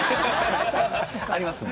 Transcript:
ありますね。